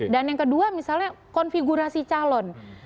dan yang kedua misalnya konfigurasi calon